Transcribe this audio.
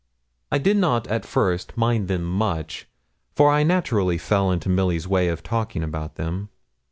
I did not at first mind them much, for I naturally fell into Milly's way of talking about them.